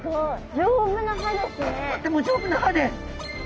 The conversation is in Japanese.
丈夫な歯ですね！